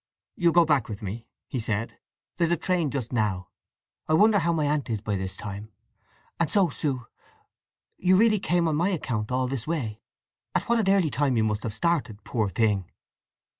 "You'll go back with me?" he said. "There's a train just now. I wonder how my aunt is by this time… And so, Sue, you really came on my account all this way! At what an early time you must have started, poor thing!"